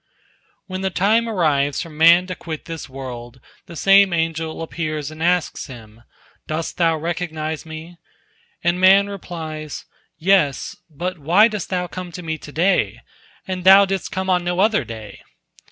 When the time arrives for man to quit this world, the same angel appears and asks him, "Dost thou recognize me?" And man replies, "Yes; but why dost thou come to me to day, and thou didst come on no other day?"